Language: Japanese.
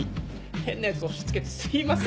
「変なやつ押し付けてすいません」